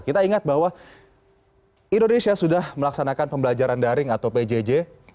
kita ingat bahwa indonesia sudah melaksanakan pembelajaran daring atau pjj